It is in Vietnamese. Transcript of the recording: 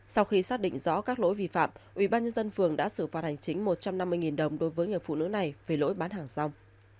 sau khi xác định rõ các lỗi vi phạm ubnd phường đã xử phạt hành chính một trăm năm mươi đồng đối với người phụ nữ này về lỗi bán hàng rong